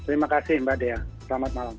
terima kasih mbak dea selamat malam